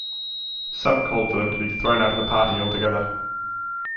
Some called for them to be thrown out of the party altogether.